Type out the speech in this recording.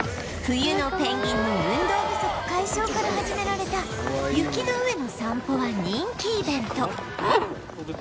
冬のペンギンの運動不足解消から始められた雪の上の散歩は人気イベント